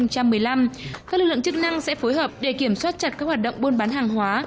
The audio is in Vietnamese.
các lực lượng chức năng sẽ phối hợp để kiểm soát chặt các hoạt động buôn bán hàng hóa